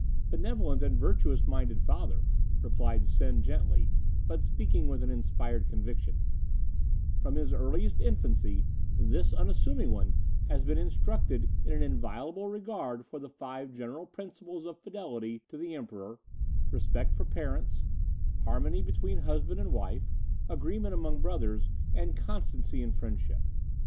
"'Benevolent and virtuous minded father,' replied Sen gently, but speaking with an inspired conviction; 'from his earliest infancy this unassuming one has been instructed in an inviolable regard for the Five General Principles of Fidelity to the Emperor, Respect for Parents, Harmony between Husband and Wife, Agreement among Brothers, and Constancy in Friendship.